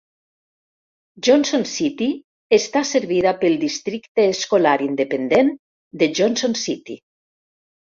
Johnson City està servida pel districte escolar independent de Johnson City.